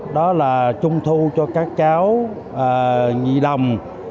đó là trung thu cho các cháu nhị lòng